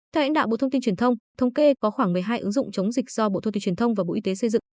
theo lãnh đạo bộ thông tin truyền thông thống kê có khoảng một mươi hai ứng dụng chống dịch do bộ thông tin truyền thông và bộ y tế xây dựng